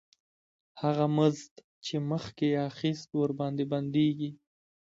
هغه مزد چې مخکې یې اخیست ورباندې بندېږي